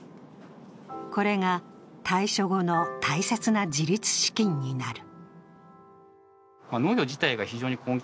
これが退所後の大切な自立資金になる。